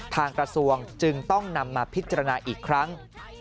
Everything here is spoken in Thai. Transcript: ทางกระทรวงจึงต้องนำมาพิจารณาอีกครั้ง